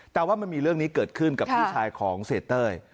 แต่ว่ามันมีเรื่องนี้เกิดขึ้นกับพี่ชายของเสียเต้ย